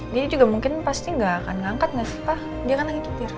dia juga mungkin pasti gak akan angkat gak sih pak dia kan lagi kecil